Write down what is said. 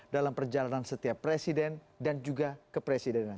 dalam perjalanan setiap presiden dan juga kepresidenan